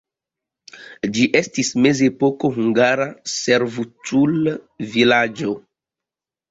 Ĝi estis mezepoko hungara servutulvilaĝo.